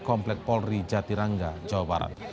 komplek polri jatirangga jawa barat